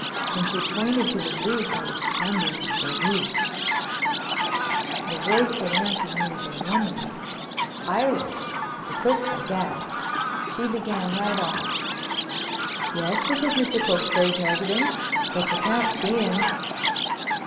When she pointed to the booth I was trembling like a leaf. The voice that answered me was a woman's—Irish—the cook's, I guess. She began right off: "Yes, this is Mr. Cokesbury's residence, but you can't see him."